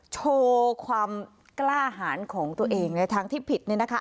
โชว์ความกล้าหารของตัวเองในทางที่ผิดเนี่ยนะคะ